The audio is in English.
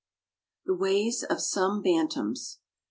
THE WAYS OF SOME BANTAMS.